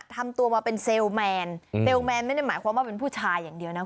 ทำตัวมาเป็นเซลแมนเซลล์แมนไม่ได้หมายความว่าเป็นผู้ชายอย่างเดียวนะ